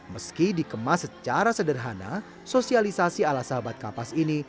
meski dikemas secara sederhana sosialisasi ala sahabat kapas ini